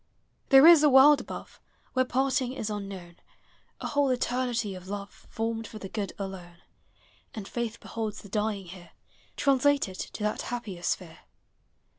• There is a world above. Where parting is unknown; A whole eternity of love. Formed for the good alone; And faith beholds the dving here Translated to that happier sphere.